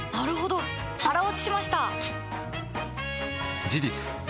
腹落ちしました！